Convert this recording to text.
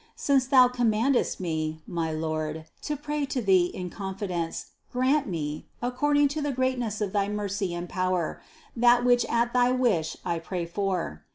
Since Thou commandest me, my Lord, to pray to Thee in con fidence, grant me, according to the greatness of thy mercy and power, that which at thy wish I pray for.